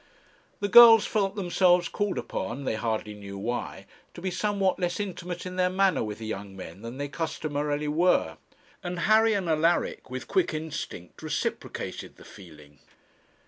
The girls felt themselves called upon, they hardly knew why, to be somewhat less intimate in their manner with the young men than they customarily were; and Harry and Alaric, with quick instinct, reciprocated the feeling.